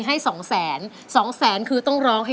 หนึ่งแสนสามหมื่นบาท